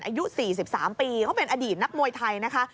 อายุ๔๓ปีเขาเป็นอดีตนักมวยไทยนะคะ